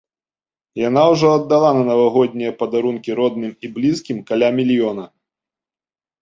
Яна ўжо аддала на навагоднія падарункі родным і блізкім каля мільёна.